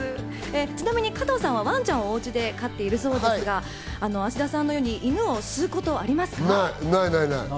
ちなみに加藤さんはワンちゃんをおうちで飼っているそうですが、芦田さんのように犬を吸うことはありますか？